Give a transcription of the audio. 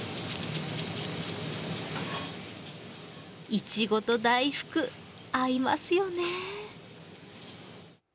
いちごと大福合いますよね。